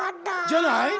じゃない？